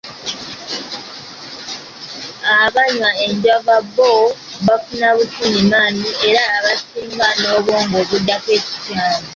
Abanywa enjaga bo bafuna bufunyi maanyi era abasinga n'obwongo bujjako ekikyamu.